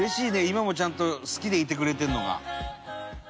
今もちゃんと好きでいてくれてるのが。